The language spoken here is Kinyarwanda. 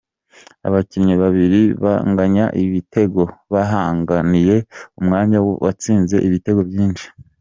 Abakinnyi babiri banganya ibitego bahanganiye umwanya w’uwatsinze ibitego byinshi .